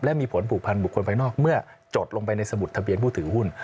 และมีผลผูกพันบุคคลภายนอกเมื่อจดลงไปในสมุดทะเบียนผู้ถือหุ้น